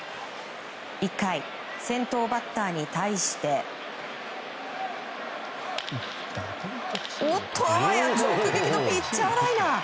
１回、先頭バッターに対しておっと、あわや直撃のピッチャーライナー！